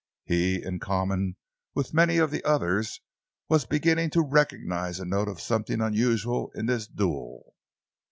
He, in common with many of the others, was beginning to recognise a note of something unusual in this duel.